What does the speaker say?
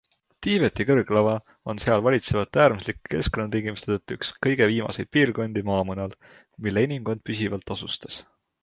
Tiibeti kõrglava on seal valitsevate äärmuslike keskkonnatingimuste tõttu üks kõige viimaseid piirkondi maamunal, mille inimkond püsivalt asustas.